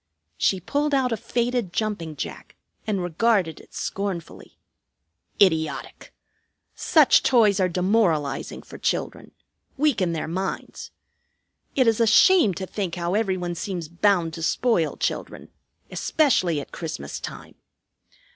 She pulled out a faded jumping jack, and regarded it scornfully. "Idiotic! Such toys are demoralizing for children weaken their minds. It is a shame to think how every one seems bound to spoil children, especially at Christmas time.